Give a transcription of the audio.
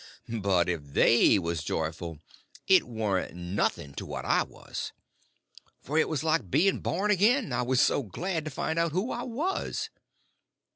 But if they was joyful, it warn't nothing to what I was; for it was like being born again, I was so glad to find out who I was.